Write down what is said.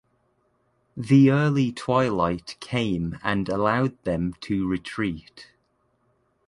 The early twilight came and allowed them to retreat.